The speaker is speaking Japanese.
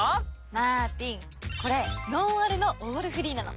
マーティンこれノンアルのオールフリーなの。